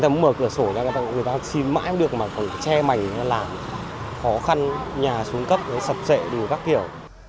người ta mở cửa sổ người ta xin mãi không được mà còn che mảnh làm khó khăn nhà xuân cấp sập sệ đủ các kiểu